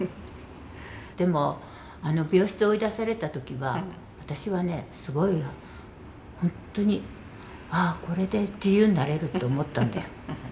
でも病室追い出された時は私はねすごい本当にああこれで自由になれるって思ったんだよ。